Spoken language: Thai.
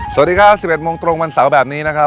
สวัสดีครับ๑๑โมงตรงวันเสาร์แบบนี้นะครับ